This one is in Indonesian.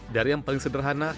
dari yang paling sederhana